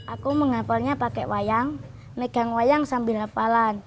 aku menghafalnya pakai wayang megang wayang sambil hafalan